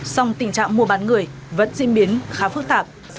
song tình trạng mua bán người vẫn diễn biến khá phức tạp